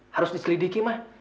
harus diselidiki ma